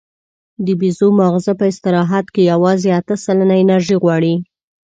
د بیزو ماغزه په استراحت کې یواځې اته سلنه انرژي غواړي.